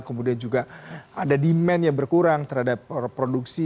kemudian juga ada demand yang berkurang terhadap produksi